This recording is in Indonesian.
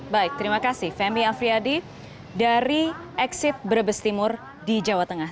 baik terima kasih femi afriyadi dari exit brebes timur di jawa tengah